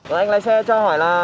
để lưu thông chưa